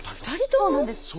２人とも？